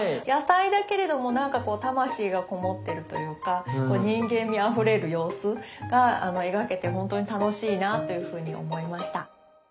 野菜だけれども魂がこもってるというか人間味あふれる様子が描けて本当に楽しいなというふうに思いました。